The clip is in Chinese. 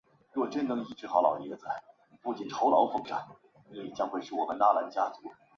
威德是位于美国阿肯色州波因塞特县的一个非建制地区。